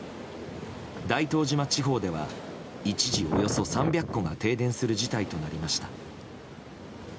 大東島地方では一時およそ３００戸が停電する事態となりました。